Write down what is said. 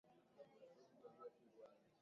huko kaskazini mashariki mwa nchi hiyo